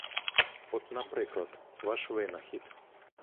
От, наприклад, ваш винахід.